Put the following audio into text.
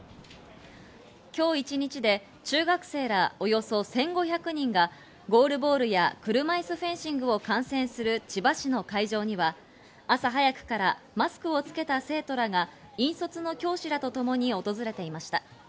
今日一日で中学生らおよそ１５００人がゴールボールや車いすフェンシングを観戦する千葉市の会場には、朝早くからマスクをつけた生徒らが引率の教師らとともに訪れていました。